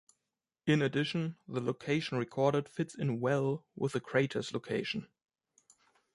In addition, the location recorded fits in well with the crater's location.